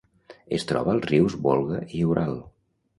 Es troba als rius Volga i Ural.